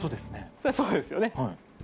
そりゃそうですよね。